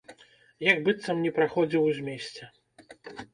Як быццам не праходзіў у змесце!